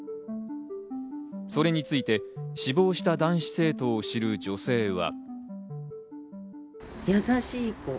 それについて死亡した男子生徒を知る女性は。